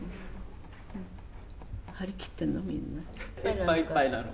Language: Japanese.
いっぱいいっぱいなの。